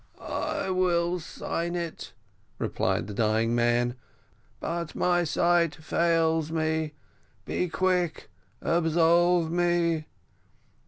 "I will sign it," replied the dying man; "but my sight fails me; be quick, absolve me."